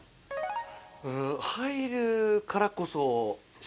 うん入るからこそ。